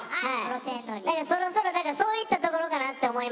そろそろそういったところかなって思います。